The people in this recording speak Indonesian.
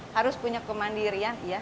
harus punya kemandirian ya